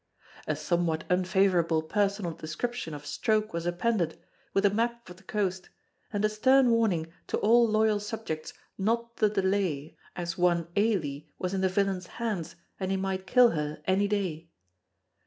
A somewhat unfavorable personal description of Stroke was appended, with a map of the coast, and a stern warning to all loyal subjects not to delay as one Ailie was in the villain's hands and he might kill her any day.